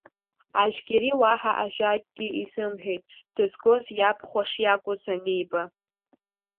Ажьгьери уаҳа ажәакгьы изымҳәеит, дызгоз иабхәа шиакәыз аниба.